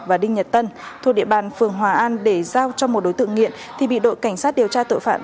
và đinh nhật tân thuộc địa bàn phường hòa an để giao cho một đối tượng nghiện thì bị đội cảnh sát điều tra tội phạm